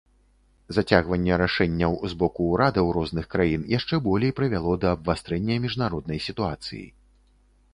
Зацягванне рашэнняў з боку ўрадаў розных краін яшчэ болей прывяло да абвастрэння міжнароднай сітуацыі.